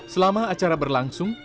selama acara berlangsung